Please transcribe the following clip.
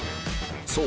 そう！